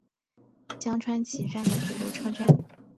江川崎站的铁路车站。